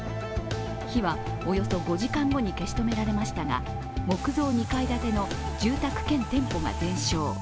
火はおよそ５時間後に消し止められましたが木造２階建ての住宅兼店舗が全焼。